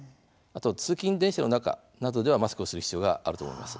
あと通勤電車の中などではマスクをする必要があると思います。